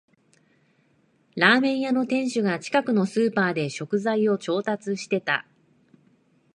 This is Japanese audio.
ラーメン屋の店主が近くのスーパーで食材を調達してた